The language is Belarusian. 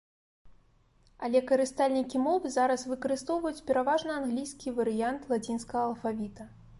Але карыстальнікі мовы зараз выкарыстоўваюць пераважна англійскі варыянт лацінскага алфавіта.